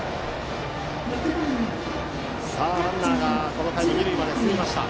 さあ、ランナーがこの回も二塁まで進みました。